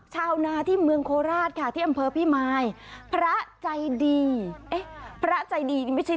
ชาวนาที่เมืองโคราชค่ะที่อำเภอพี่มาย